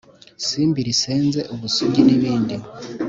Simbi risenze ubusugi nibindi